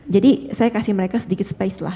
jadi saya kasih mereka sedikit space lah